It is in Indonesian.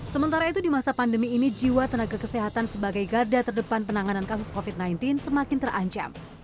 sementara itu di masa pandemi ini jiwa tenaga kesehatan sebagai garda terdepan penanganan kasus covid sembilan belas semakin terancam